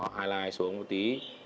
highlight xuống một tí